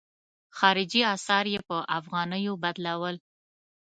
خارجي اسعار یې په افغانیو بدلول.